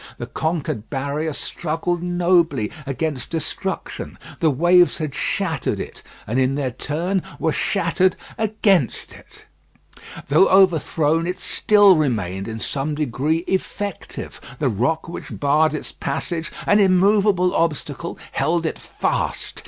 The conquered barrier struggled nobly against destruction. The waves had shattered it, and in their turn were shattered against it. Though overthrown, it still remained in some degree effective. The rock which barred its passage, an immovable obstacle held it fast.